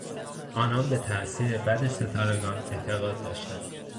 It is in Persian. آنان به تاثیر بد ستارگان اعتقاد داشتند.